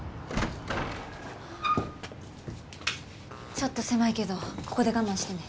ちょっと狭いけどここで我慢してね。